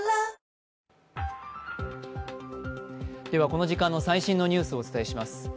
この時間の最新のニュースをお伝えします。